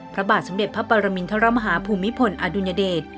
พระบาทสมเด็จพระปรมินทรมาฮาภูมิพลอดุลยเดช